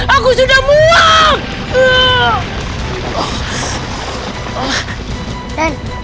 aku sudah muak